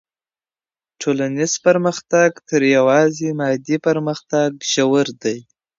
ټولنیز پرمختګ تر یوازې مادي پرمختګ ژور دی.